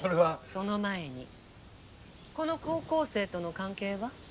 その前にこの高校生との関係は？